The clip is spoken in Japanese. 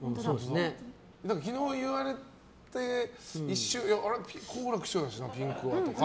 昨日、言われて一瞬、好楽師匠だしなピンクはとか。